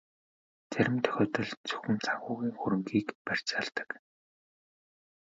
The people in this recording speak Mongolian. Зарим тохиолдолд зөвхөн санхүүгийн хөрөнгийг барьцаалдаг.